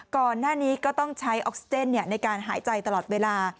ก่อนหน้านี้ก็ต้องใช้ออกซิเจนในการหายใจตลอดเวลา